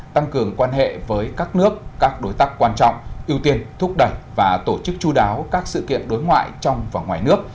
tăng cường quan hệ với các nước các đối tác quan trọng ưu tiên thúc đẩy và tổ chức chú đáo các sự kiện đối ngoại trong và ngoài nước